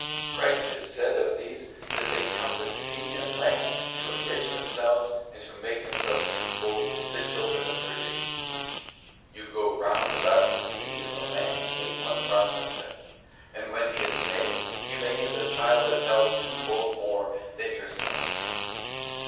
Christ has said of these that they compass sea and land to enrich themselves and to make themselves twofold the children of perdition: 'You go round about the sea and the land to make one proselyte; and when he is made, you make him the child of hell twofold more than yourselves.